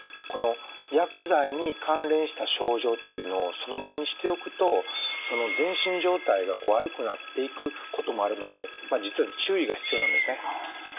この薬剤に関連した症状っていうのをそのままにしておくと全身状態が悪くなっていくこともあるので実は注意が必要なんですね。